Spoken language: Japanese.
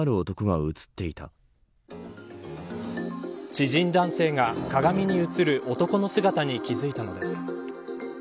知人男性が鏡に映る男の姿に気付いたのです。